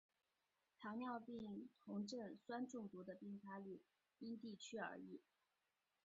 糖尿病酮症酸中毒的病发率因地区而异。